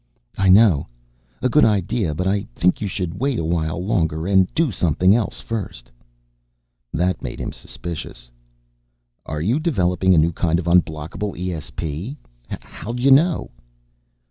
"I know. A good idea but I think you should wait a while longer and do something else first." That made him suspicious. "Are you developing a new kind of unblockable ESP? How'd you know?"